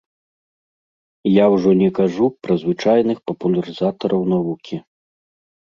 Я ўжо не кажу пра звычайных папулярызатараў навукі.